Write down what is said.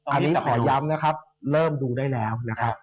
อันนี้แต่ขอย้ำนะครับเริ่มดูได้แล้วนะครับ